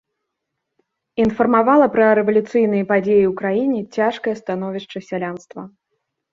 Інфармавала пра рэвалюцыйныя падзеі ў краіне, цяжкае становішча сялянства.